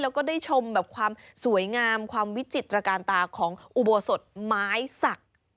แล้วก็ได้ชมแบบความสวยงามความวิจิตรการตาของอุโบสถไม้สัก